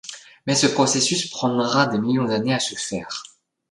Mais ce processus prendra des millions années à se faire.